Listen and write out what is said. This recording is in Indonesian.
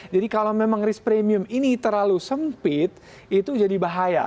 jadi kalau memang risk premium ini terlalu sempit itu jadi bahaya